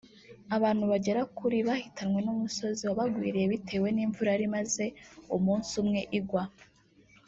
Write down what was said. abantu bagera kuri bahitanwe n’umusozi wabagwiriye bitewe n’imvura yari imaze umunsi umwe igwa